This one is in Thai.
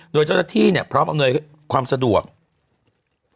โดยเจ้าหน้าที่พร้อมให้ความสะดวกกับประชาชน